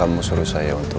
kenapa kamu suruh saya untuk